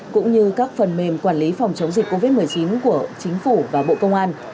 cũng như các phần mềm quản lý phòng chống dịch covid một mươi chín của chính phủ và bộ công an